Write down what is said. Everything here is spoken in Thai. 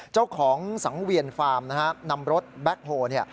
เจ้าของสังเวียนฟาร์มนะครับนำรถแบ็คโฮล์